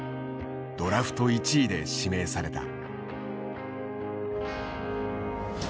ドラフト１位で指名された。